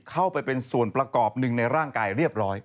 เข้าไปเป็นส่วนประกอบหนึ่งในร่างกายเรียบร้อย